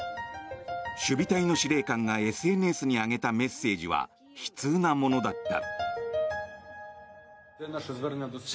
守備隊の司令官がＳＮＳに上げたメッセージは悲痛なものだった。